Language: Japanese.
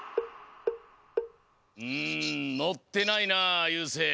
うんのってないなゆうせい。